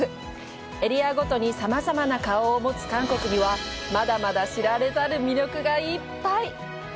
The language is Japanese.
エリアごとにさまざまな顔を持つ韓国には、まだまだ知られざる魅力がいっぱい！